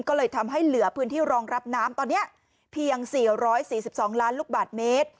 ก็เลยทำให้เหลือพื้นที่รองรับน้ำตอนนี้เพียง๔๔๒ล้านลูกบาทเมตร